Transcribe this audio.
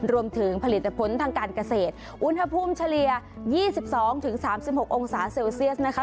รวมถึงผลิตผลทางการเกษตรอุณหภูมิเฉลี่ย๒๒๓๖องศาเซลเซียสนะคะ